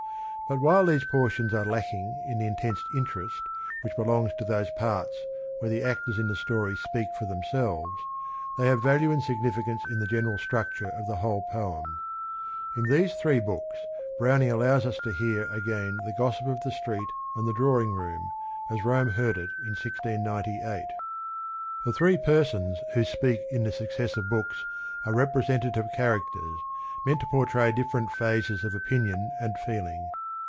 But while these portions are lack ing in the intense interest which belongs to those parts where the actors in the story speak for themselves, they have value and significance in the general structure of the whole poem. In these r three books Brown in g allow s m tn hoar again Jhe gossip of the street and th p drawing, r oom as Rome heard it in 1698. The three per sons who speak in the successive books are representative characters, meant to portray dif ferent phases of opinion and feeling.